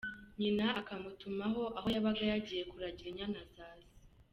Nyina akamutumaho aho yabaga yagiye kuragira inyana za Se.